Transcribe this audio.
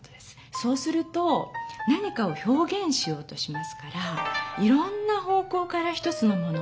そうすると何かをひょうげんしようとしますからいろんな方向から一つのものを見ようとします。